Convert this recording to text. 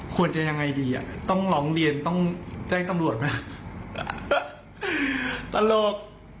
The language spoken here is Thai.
ควรจะยังไงดีอ่ะต้องร้องเรียนต้องแจ้งตำรวจไหมตลก